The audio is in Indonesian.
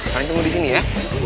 kalian tunggu di sini ya